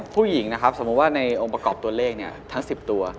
ผู้หญิงนะครับสมมุติว่าในองค์ประกอบตัวเลขทั้ง๑๐ตัว